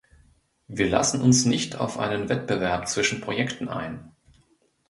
Wir lassen uns nicht auf einen Wettbewerb zwischen Projekten ein.